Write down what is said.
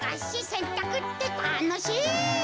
せんたくってたのしい！